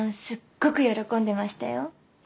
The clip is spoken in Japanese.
すっごく喜んでましたよ。